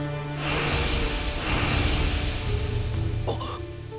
あっ。